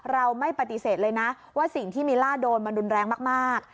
เราไม่ปฏิเสธเลยนะว่าสิ่งที่มิล่าโดนมันรุนแรงมาก